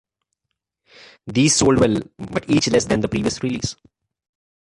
These sold well, but each less than the previous release.